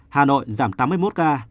hà nội giảm tám mươi một ca